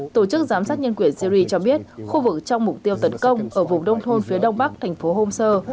tổ chức giám sát nhân quyền syri cho biết khu vực trong mục tiêu tấn công ở vùng đông thôn phía đông bắc thành phố homes